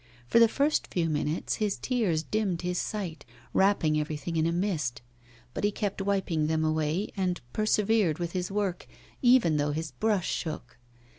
For the first few minutes his tears dimmed his sight, wrapping everything in a mist; but he kept wiping them away, and persevered with his work, even though his brush shook.